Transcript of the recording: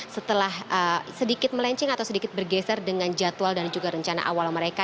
setelah sedikit melenceng atau sedikit bergeser dengan jadwal dan juga rencana awal mereka